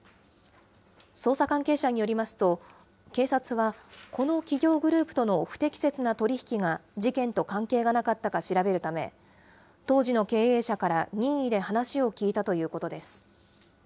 捜査関係者によりますと、警察は、この企業グループとの不適切な取り引きが事件と関係がなかったか調べるため、当時の経営者から任意で話を聴いたということです。